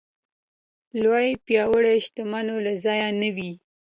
لوی پياوړ شتمنو له ځایه نه وي.